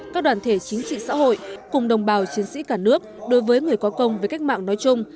các đoàn thể chính trị xã hội cùng đồng bào chiến sĩ cả nước đối với người có công với cách mạng nói chung